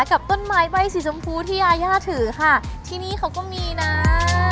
กับต้นไม้ใบ้สีชมพูที่ยายาถือค่ะที่นี่เขาก็มีนะ